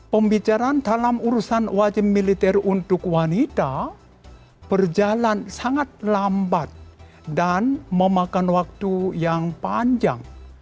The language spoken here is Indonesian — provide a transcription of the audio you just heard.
pembicaraan dalam urusan wajib militer untuk wanita berjalan sangat lambat dan memakan waktu yang panjang